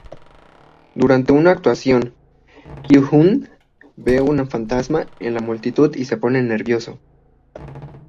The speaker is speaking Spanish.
Durante una actuación, Kyuhyun ve un fantasma en la multitud y se pone nervioso.